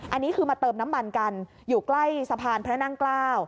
อันนี้คือมาเติมน้ำมันกันอยู่ใกล้สะพานพระนั่งเกล้า